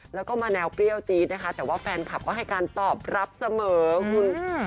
แล้วก็มาแนวเปรี้ยวจี๊ดนะคะแต่ว่าแฟนคลับก็ให้การตอบรับเสมอคุณ